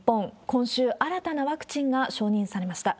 今週、新たなワクチンが承認されました。